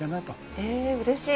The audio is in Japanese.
えうれしい。